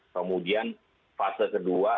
kemudian fase kedua